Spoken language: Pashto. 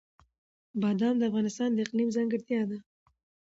بادام د افغانستان د اقلیم ځانګړتیا ده.